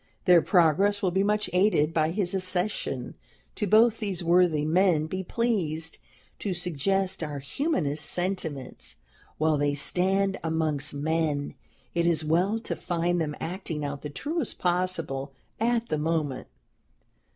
Their progress will be much aided by his accession. To both these worthy men be pleased to suggest our humanest sentiments. While they stand amongst men, it is well to find them acting out the truest possible at the moment.